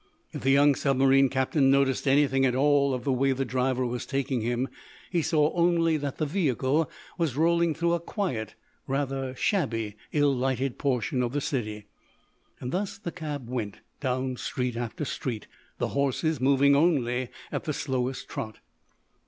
If the young submarine captain noticed anything at all of the way the driver was taking him, he saw only that the vehicle was rolling through a quiet, rather shabby, ill lighted portion of the city. Thus the cab went, down street after street, the horses moving only at the slowest trot.